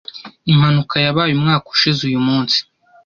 Impanuka yabaye umwaka ushize uyu munsi.